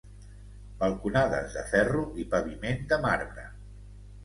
Balconades de ferro i paviment de marbre.